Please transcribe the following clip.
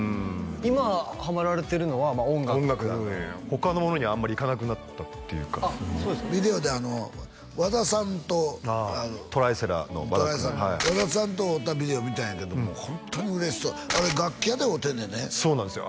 今ハマられてるのは音楽音楽だね他のものにあんまりいかなくなったっていうかビデオで和田さんとああトライセラの和田君和田さんと会うたビデオ見たんやけどもホントに嬉しそうあれ楽器屋で会うてんねやねそうなんですよ